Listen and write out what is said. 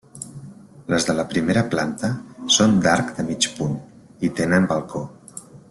Les de la primera planta són d'arc de mig punt i tenen balcó.